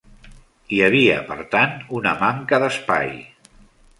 Hi havia, per tant, una manca d'espai.